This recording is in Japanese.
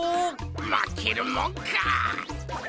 まけるもんか！